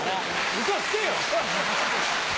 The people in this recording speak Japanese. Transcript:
ウソつけよ！